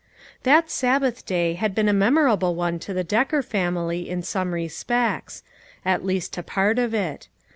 That Sabbath day had been a memorable one to the Decker family in some respects; at least to part of it.